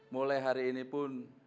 mulai hari ini pun